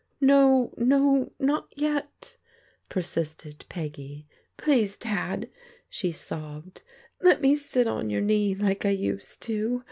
" No, no ! not yet," persisted Peggy. " Please, Dad," she sobbed, " let me sit on your knee like I used to.